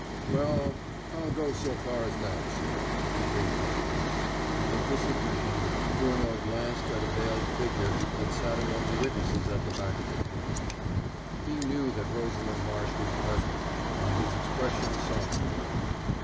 "Well, I'll go so far as that, sir," agreed Campbell, and, at this admission, Furneaux glanced at a veiled figure that sat among the witnesses at the back of the court. He knew that Rosalind Marsh was present, and his expression softened a little.